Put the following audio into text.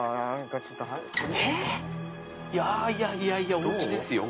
いやいやいやおうちですよ